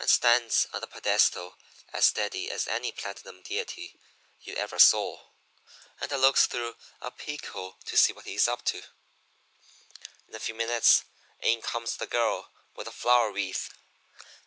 stands on the pedestal as steady as any platinum deity you ever saw. And I looks through a peek hole to see what he is up to. "In a few minutes in comes the girl with the flower wreath.